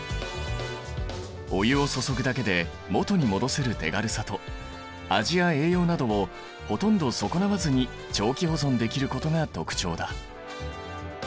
お湯を注ぐだけで元に戻せる手軽さと味や栄養などをほとんど損なわずに長期保存できることが特徴だ。